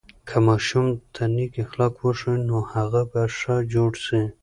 که ماشوم ته نیک اخلاق وښیو، نو هغه به ښه جوړ سي.